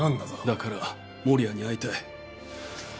だから守谷に会いたい。